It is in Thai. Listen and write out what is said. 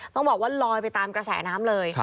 ต้องบอกว่าลอยไปตามกระแสน้ำเลย